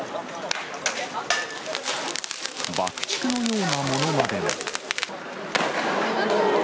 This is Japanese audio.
爆竹のようなものまでも。